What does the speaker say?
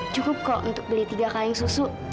cukup kok untuk beli tiga kali susu